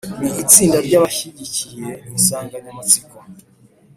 Ni itsinda ry’abashyigikiye insanganyamatsiko.